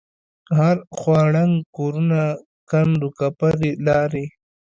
هره خوا ړنگ کورونه کند وکپرې لارې.